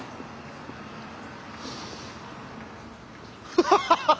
ハハハハッ！